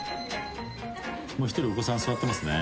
１人お子さん座ってますね。